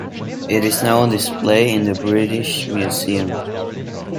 It is now on display in the British Museum.